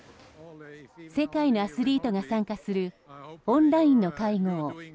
世界のアスリートが参加するオンラインの会合。